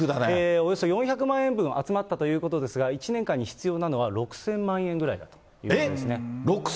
およそ４００万円分集まったということですが、１年間に必要なのは６０００万円ぐらいだということなんですね。